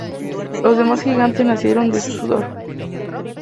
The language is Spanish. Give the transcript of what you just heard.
Los demás gigantes nacieron de su sudor.